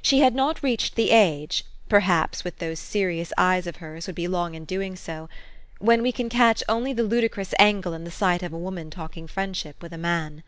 She had not reached the age perhaps with those serious eyes of hers would be long in doing so when we can catch only the ludicrous angle in the sight of a woman talking friendship with a man.